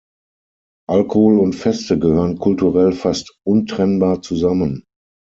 Alkohol und Feste gehören kulturell fast untrennbar zusammen.